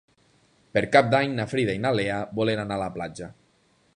Per Cap d'Any na Frida i na Lea volen anar a la platja.